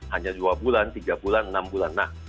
hanya dua bulan tiga bulan enam bulan